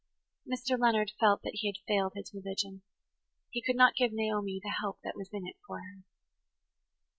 Mr. Leonard felt that he had failed his religion. He could not give Naomi the help that was in it for her.